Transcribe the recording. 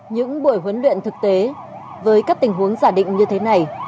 những buổi huấn luyện thực tế với các tình huống giả định như thế này